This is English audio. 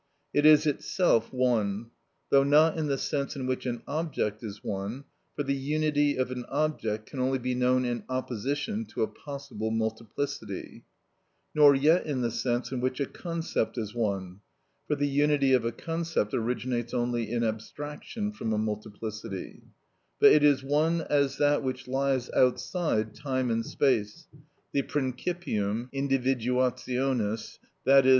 It is itself one, though not in the sense in which an object is one, for the unity of an object can only be known in opposition to a possible multiplicity; nor yet in the sense in which a concept is one, for the unity of a concept originates only in abstraction from a multiplicity; but it is one as that which lies outside time and space, the principium individuationis, _i.e.